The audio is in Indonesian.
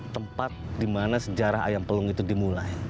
tempat dimana sejarah ayam pelung itu dimulai